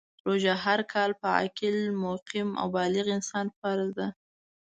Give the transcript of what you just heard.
روژه هر کال په عاقل ، مقیم او بالغ انسان فرض ده .